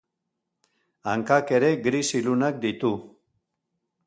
Hankak ere gris ilunak ditu.